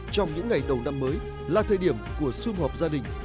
trong những ngày đầu năm mới là thời điểm của xung họp gia đình